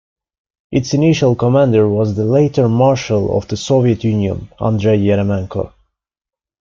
Its initial commander was the later Marshal of the Soviet Union, Andrei Yeremenko.